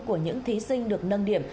của những thí sinh được nâng điểm